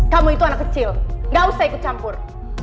kamu itu anak kecil gak usah ikut campur